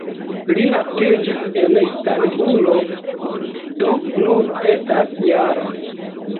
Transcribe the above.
Li naskiĝis en Istanbulo, do nun estas -jara.